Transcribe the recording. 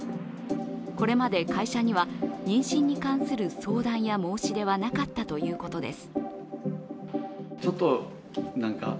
これまで会社には妊娠に関する相談や申し出はなかったということです。